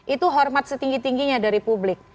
itu hormat setinggi tingginya dari publik